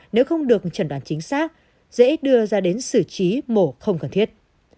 nếu không được chẩn đoán chính xác dễ đưa ra đến xử trí mổ không cần thiết